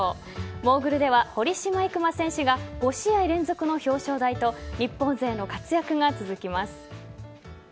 モーグルでは堀島行真選手が５試合連続の表彰台と日本勢の活躍が続きます。